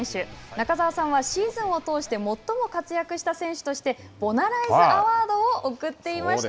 中澤さんはシーズンを通して最も活躍した選手としてボナライズアワードを贈っていました。